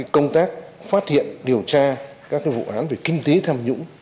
công tác phát hiện điều tra các vụ án về kinh tế tham nhũng